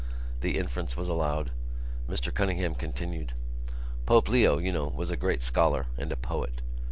The inference was allowed. Mr Cunningham continued. "Pope Leo, you know, was a great scholar and a poet."